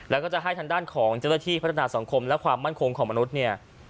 แล้วก็จะให้ทางด้านของเจ้าหน้าที่พัฒนาสังคมและความมั่นคงของมนุษย์เนี่ย